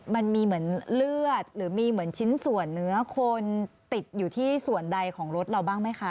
มันมีเหมือนเลือดหรือมีเหมือนชิ้นส่วนเนื้อคนติดอยู่ที่ส่วนใดของรถเราบ้างไหมคะ